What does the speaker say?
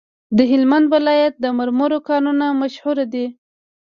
د هلمند ولایت د مرمرو کانونه مشهور دي؟